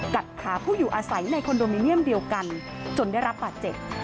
กัดขาผู้อยู่อาศัยในคอนโดมิเนียมเดียวกันจนได้รับบาดเจ็บ